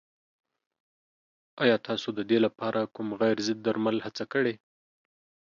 ایا تاسو د دې لپاره کوم غیر ضد درمل هڅه کړې؟